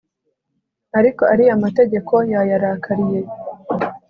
ariko ariya amategeko yayarakariye